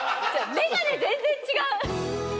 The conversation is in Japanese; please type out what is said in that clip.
眼鏡全然違う！